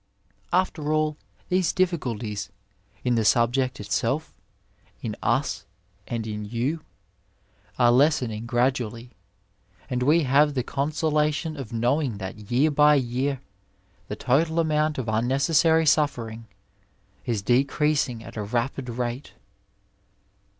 After all, these difficulties — in the subject itself, in us, and in you— are lessening gradually, and we have the consolation of knowing that year by year the total amount of unnecessary sufiering is decreasing at a rapid rate.